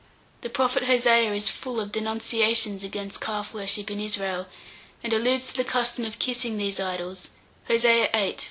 The prophet Hosea is full of denunciations against calf worship in Israel, and alludes to the custom of kissing these idols, Hosea, viii, 4 6.